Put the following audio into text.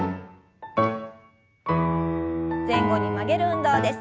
前後に曲げる運動です。